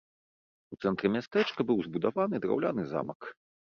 У цэнтры мястэчка быў збудаваны драўляны замак.